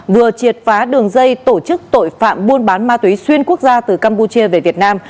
vừa triệt phá đường dây tổ chức tội phạm buôn bán ma túy xuyên quốc gia từ campuchia về việt nam